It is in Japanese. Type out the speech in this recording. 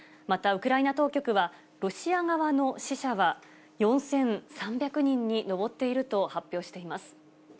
またウクライナ当局は、ロシア側の死者は４３００人に上っていると発表しています。